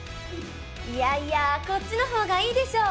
いやいやこっちの方がいいでしょ！